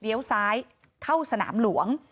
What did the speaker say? เลี้ยวซ้ายเข้าสนามหลวง